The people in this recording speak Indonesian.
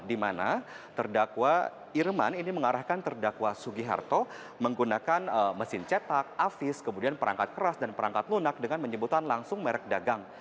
di mana terdakwa irman ini mengarahkan terdakwa sugiharto menggunakan mesin cetak afis kemudian perangkat keras dan perangkat lunak dengan menyebutkan langsung merek dagang